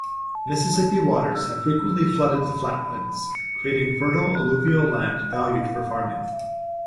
Mississippi waters have frequently flooded the flatlands, creating fertile alluvial land valued for farming.